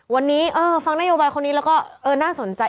วันนี้ฟังนโยบายคนนี้แล้วก็เออน่าสนใจ